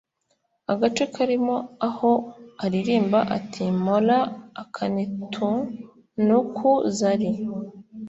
agace karimo aho aririmba ati “Mola akanitunuku Zari